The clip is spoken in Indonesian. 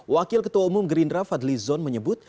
wakil ketua umum gerindra fadli zon menyebut